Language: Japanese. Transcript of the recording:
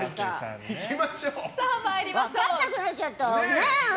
分からなくなっちゃった！